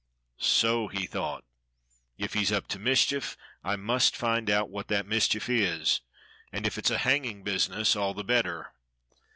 "So," he thought, "if he's up to mischief, I must find out what that mischief is, and if it's a hanging business, all the better."